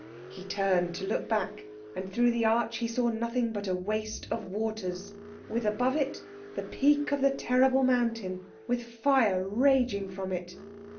He turned to look back, and through the arch he saw nothing but a waste of waters, with above it the peak of the terrible mountain with fire raging from it.